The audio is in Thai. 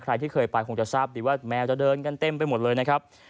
ใครที่เคยไปคงจะทราบดีว่าแมวจะเดินกันเต็มไปหมดเลยนะครับ